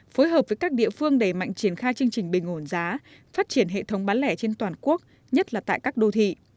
phối hợp với các địa phương đẩy mạnh triển khai chương trình bình ổn giá phát triển hệ thống bán lẻ trên toàn quốc nhất là tại các đô thị